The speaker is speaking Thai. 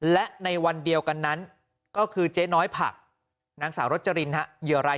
และในวันเดียวกันนั้นก็คือเจ๊น้อยผักนางสาวรจรินเหยื่อราย